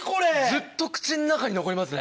ずっと口の中に残ります。